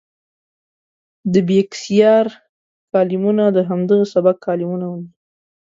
د بېکسیار کالمونه د همدغه سبک کالمونه دي.